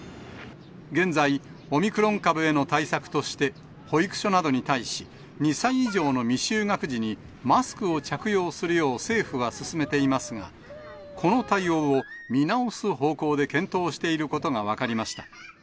現在、オミクロン株への対策として、保育所などに対し、２歳以上の未就学児にマスクを着用するよう政府は勧めていますが、この対応を見直す方向で検討していることが分かりました。